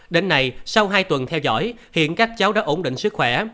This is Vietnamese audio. đến nay sau hai tuần theo dõi hiện các cháu đã ổn định sức khỏe